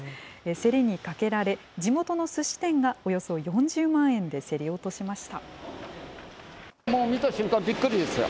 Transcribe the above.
競りにかけられ、地元のすし店がおよそ４０万円で競り落としました。